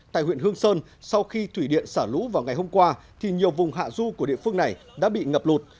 tại huyện hương sơn sau khi thủy điện xả lũ vào ngày hôm qua thì nhiều vùng hạ du của địa phương này đã bị ngập lụt